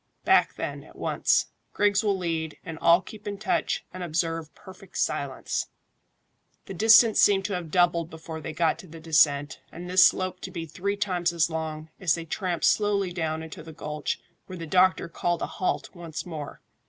"Back, then, at once. Griggs will lead, and all keep in touch, and observe perfect silence." The distance seemed to have doubled before they got to the descent, and this slope to be three times as long, as they tramped slowly down into the gulch, where the doctor called a halt once more.